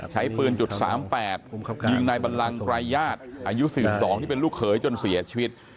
ใช้ปืน๓๘ยิงนายบัลลังไกรญาติอายุ๔๒ที่เป็นลูกเขยจนเสียชีวิต